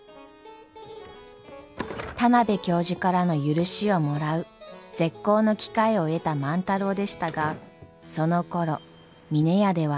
田邊教授からの許しをもらう絶好の機会を得た万太郎でしたがそのころ峰屋では。